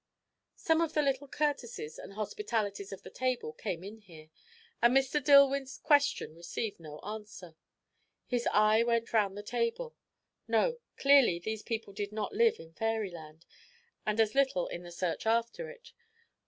Some of the little courtesies and hospitalities of the table came in here, and Mr. Dillwyn's question received no answer. His eye went round the table. No, clearly these people did not live in fairyland, and as little in the search after it.